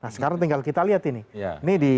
nah sekarang tinggal kita lihat ini